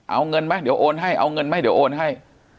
เอาเงินไหมเดี๋ยวโอนให้เอาเงินไหมเดี๋ยวโอนให้